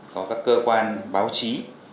có các cơ quan báo chí